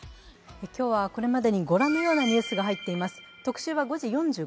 今日はこれまでにご覧のようなニュースが入っています。